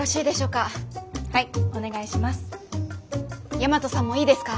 大和さんもいいですか？